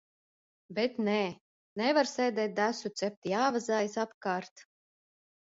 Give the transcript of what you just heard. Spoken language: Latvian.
Bet nē, nevar sēdēt desu cept, jāvazājas apkārt.